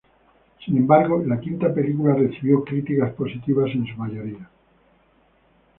Sin embargo, la quinta película recibió críticas positivas en su mayoría.